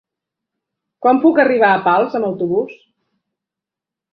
Com puc arribar a Pals amb autobús?